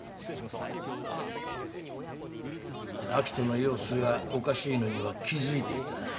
明人の様子がおかしいのには気付いていた。